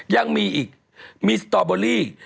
ยังมีอีกมีสตอเบอรี่